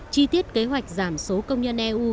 chi tiết kế hoạch giảm số công nhân eu